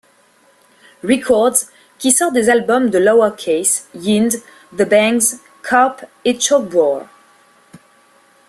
Records, qui sort des albums de Lowercase, Yind, the Bangs, Karp, et Chokebore.